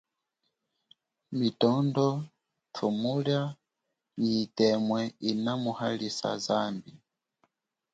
Mitondo, tshumulia, nyi itemwe ina muhalisa zambi.